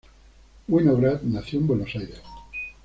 Winograd nació en Buenos Aires.